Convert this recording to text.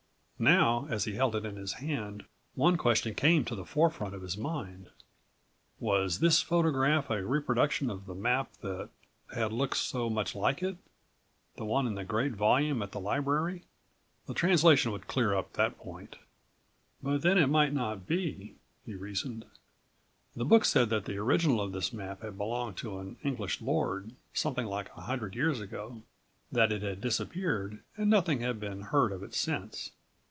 Now as he held it in his hand one question came to the forefront in his mind: Was this photograph a reproduction of the map that had looked so much like it, the one in the great volume at the library? The translation would dear up that point. But then it might not be, he reasoned. The book said that the original of this map had belonged to an English lord something like a hundred years ago; that it had disappeared and nothing had been heard of it since.